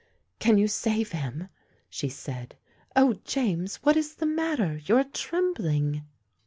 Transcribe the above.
" Can you save him ?" she said. " Oh, James, what is the matter ? You are trembling."